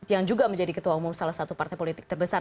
yang juga menjadi ketua umum salah satu partai politik terbesar